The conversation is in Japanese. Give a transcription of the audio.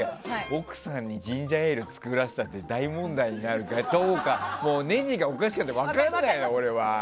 奥さんにジンジャーエール作らせたって大問題になるかどうかねじがおかしくなって分からないのよ、俺は。